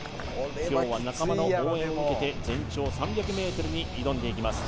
今日は仲間の応援を受けて全長３００ｍに挑んでいきます